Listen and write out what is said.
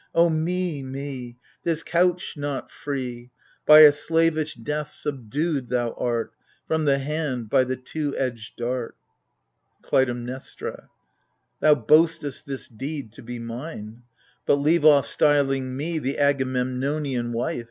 O me — me ! This couch, not free ! By a slavish death subdued thou art, From the hand, by the two edged dart. KLUTAIMNESTRA. Thou boastest this deed to be mine : But leave off styling me AGAMEMNON. 131 " The Agamemnonian wife